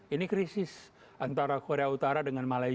ini krisis antara korea utara dengan malaysia